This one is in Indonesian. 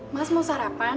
mas mau sarapan